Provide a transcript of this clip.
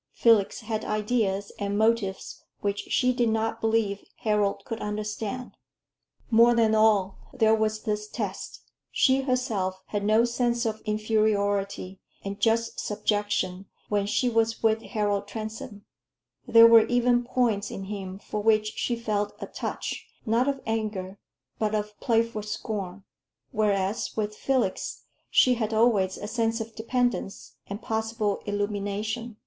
Felix had ideas and motives which she did not believe Harold could understand. More than all, there was this test: she herself had no sense of inferiority and just subjection when she was with Harold Transome; there were even points in him for which she felt a touch, not of anger, but of playful scorn; whereas with Felix she had always a sense of dependence and possible illumination.